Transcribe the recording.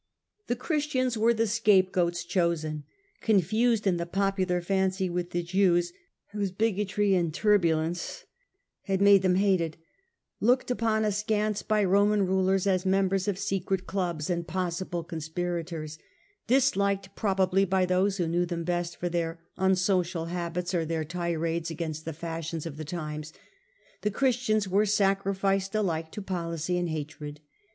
The A.D, Nero. Ill Christians were the scapegoats chosen. Confused in the popular fancy with the Jews, whose bigotry Nero made and turbulence had made them hated, looked lans his vic upon askance by Roman rulers as members tims and his of secret clubs and possible conspirators, disliked probably by those who knew them best for their unsocial habits or their tirades against the fashions of the times, the Christians were sacrificed alike to policy and hatred.